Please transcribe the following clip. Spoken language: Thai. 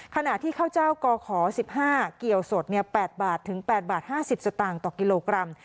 ขณะที่ข้าวเจ้ากอขอสิบห้าเกี่ยวสดเนี่ยแปดบาทถึงแปดบาทห้าสิบสตางค์ต่อกิโลกรัม